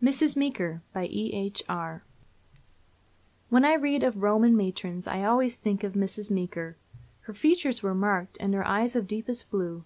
MRS. MEEKER. BY E.H. ARR. When I read of Roman matrons I always think of Mrs. Meeker. Her features were marked, and her eyes of deepest blue.